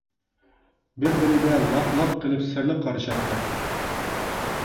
بىر بىرىگە لاپ-لاپ قىلىپ سىرلىق قارىشاتتى.